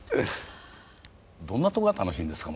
どんなとこが楽しいんですか？